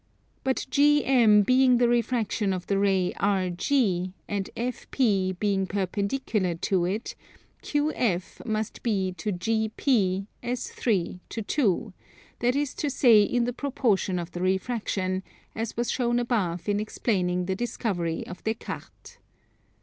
But GM being the refraction of the ray RG, and FP being perpendicular to it, QF must be to GP as 3 to 2, that is to say in the proportion of the refraction; as was shown above in explaining the discovery of Des Cartes.